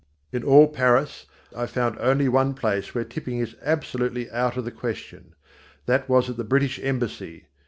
In all Paris, I only found one place where tipping is absolutely out of the question. That was at the British Embassy.